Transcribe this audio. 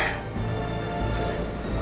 kenapa gak menangis